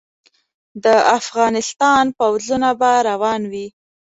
د افغانستان پوځونه به روان وي.